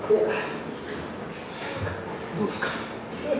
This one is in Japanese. どうですか？